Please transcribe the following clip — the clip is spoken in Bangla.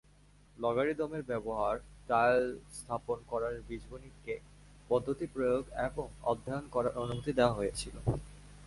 লগারিদমের ব্যবহার ডায়াল স্থাপন করার বীজগাণিতিক পদ্ধতি প্রয়োগ এবং অধ্যয়ন করার অনুমতি দেয়া হয়েছিল।